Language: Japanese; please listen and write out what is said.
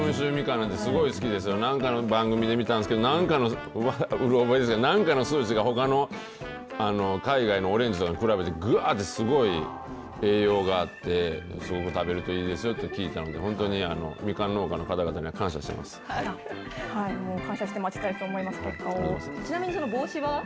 なんかの番組で見たんですけど、なんかのうろ覚えですけど、なんかの数値がほかの海外のオレンジとかと比べてぐあーって、すごい栄養があって、すごく食べるといいですよって聞いたので、本当にみかん農家の方々には感謝していもう感謝して待ちたいと思いちなみにその帽子は？